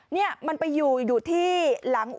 นี่มันไปอยู่อยู่ที่หลังอุซ่อมรถ